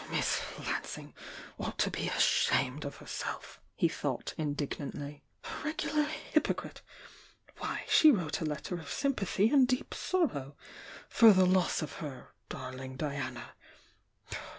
Miss Lansing ought to be ashamed of herself!" he thought, mdignantly. "A regular h pocrite! Why she wrote a letter of sympathy and 'deep sor row for the loss of her 'darling Diana!'